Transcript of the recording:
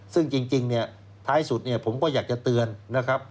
ซึ่งจริงเนี่ยท้ายสุดเนี่ยผมก็อยากจะเตือนนะครับ